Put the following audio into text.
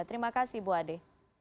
terima kasih bu ade